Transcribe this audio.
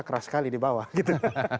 keras sekali di bawah gitu